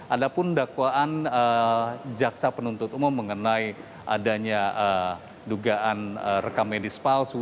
ada pun dakwaan jaksa penuntut umum mengenai adanya dugaan rekam medis palsu